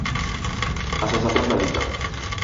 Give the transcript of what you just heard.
A sensación da Liga.